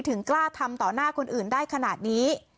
ถึงกล้าทำต่อหน้าคนอื่นได้ขนาดนี้